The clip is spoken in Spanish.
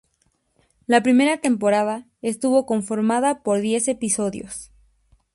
La primera temporada estuvo conformada por diez episodios.